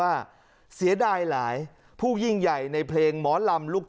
และก็มีการกินยาละลายริ่มเลือดแล้วก็ยาละลายขายมันมาเลยตลอดครับ